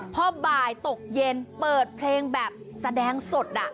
พอบ่ายตกเย็นเปิดเพลงแบบแสดงสด